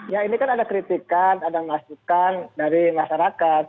ya ini kan ada kritikan ada masukan dari masyarakat